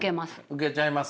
受けちゃいます。